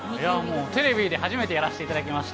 テレビで初めてやらせていただきました。